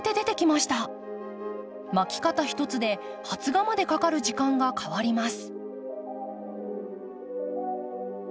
まき方ひとつで発芽までかかる時間が変わります。